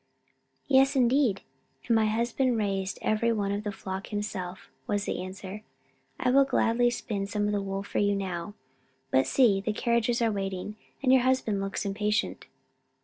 "Yes, indeed, and my husband raised every one of the flock himself," was the answer. "I will gladly spin some of the wool for you now. But see! the carriages are waiting, and your husband looks impatient."